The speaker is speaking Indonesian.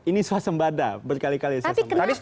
ini suasembada berkali kali saya sampaikan